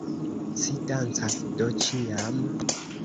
Ci dancas do ĉiam?